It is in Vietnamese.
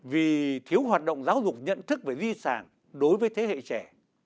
vì thiếu hoạt động giáo dục nhận thức về di sản đối với thế hệ trẻ